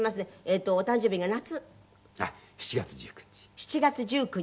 ７月１９日。